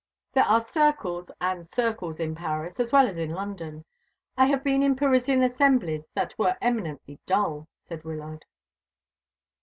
"There are circles and circles in Paris, as well as in London. I have been in Parisian assemblies that were eminently dull," said Wyllard.